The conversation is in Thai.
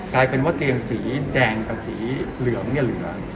กลายเป็นว่าเตียงสีแดงกับสีเหลืองเนี่ยเหลือ